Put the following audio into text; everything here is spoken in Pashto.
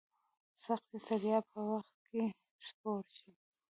سختي ستړیا په وخت کې سپور شي.